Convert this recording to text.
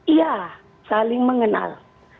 iya saling mengenal